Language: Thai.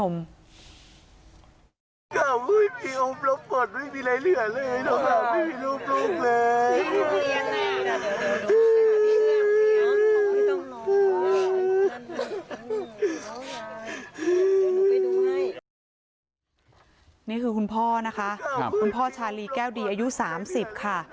นี่คือคุณพ่อนะคะคุณพ่อชาลีแก้วดีอายุ๓๐ค่ะ